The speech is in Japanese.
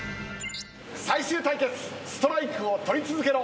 最終対決ストライクを取り続けろ！